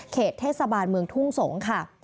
เทศบาลเมืองทุ่งสงศ์ค่ะ